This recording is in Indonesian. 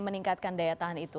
meningkatkan daya tahan itu